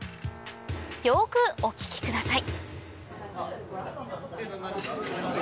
よくお聞きください